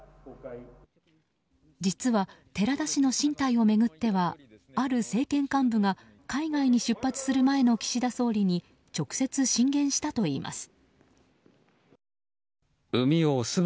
実は、寺田氏の進退を巡ってはある政権幹部が海外に出発する前の岸田総理に直接、進言したといいます。